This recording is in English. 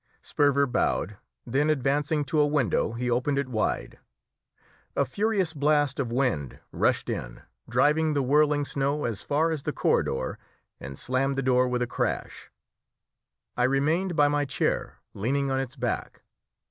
Sperver bowed, then advancing to a window, he opened it wide. A furious blast of wind rushed in, driving the whirling snow as far as the corridor, and slammed the door with a crash. I remained by my chair, leaning on its back.